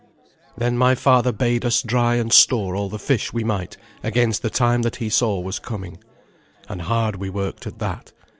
Then my father bade us dry and store all the fish we might against the time that he saw was coming, and hard we worked at that.